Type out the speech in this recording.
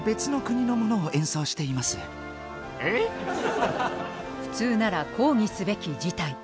しかし普通なら抗議すべき事態。